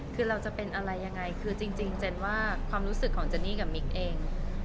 คือเราจะเป็นอะไรยังไงคือจริงเจนว่าความรู้สึกของเจนนี่กับมิกเอง